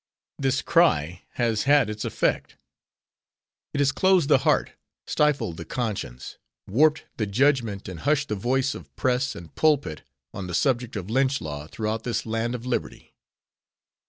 This cry has had its effect. It has closed the heart, stifled the conscience, warped the judgment and hushed the voice of press and pulpit on the subject of lynch law throughout this "land of liberty."